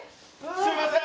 すみません。